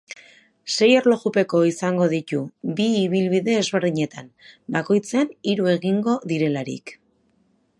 Sei erlojupeko izango ditu, bi ibilbide ezberdinetan, bakoitzean hiru egingo direlarik.